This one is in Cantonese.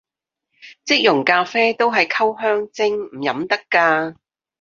即溶咖啡都係溝香精，唔飲得咖